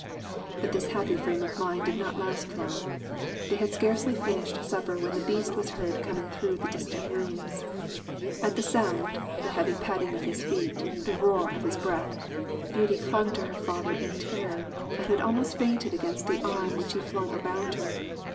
But this happy frame of mind did not last long. They had scarcely finished supper when the Beast was heard coming through the distant rooms. At the sound the heavy padding of his feet, the roar of his breath Beauty clung to her father in terror, and had almost fainted against the arm which he flung around her.